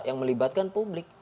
yang melibatkan publik